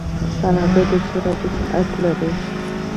کاناډا د شرابو صنعت لري.